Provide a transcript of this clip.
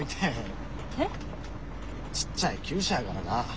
ちっちゃい厩舎やからな。